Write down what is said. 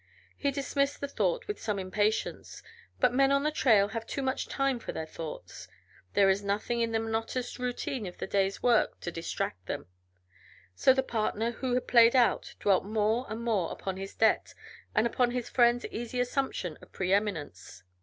He dismissed the thought with some impatience. But men on the trail have too much time for their thoughts; there is nothing in the monotonous routine of the day's work to distract them, so the partner who had played out dwelt more and more upon his debt and upon his friend's easy assumption of preëminence.